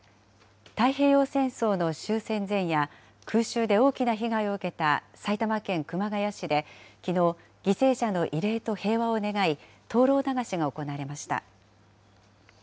太平洋戦争の終戦前夜、空襲で大きな被害を受けた埼玉県熊谷市で、きのう、犠牲者の慰霊と平和を願い、灯籠流しが行われました。